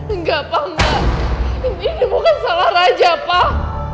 enggak pak ini bukan salah raja pak